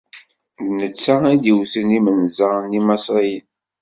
D netta i d-iwten imenza n Imasriyen.